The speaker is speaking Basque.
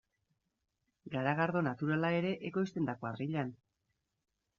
Garagardo naturala ere ekoizten da kuadrillan.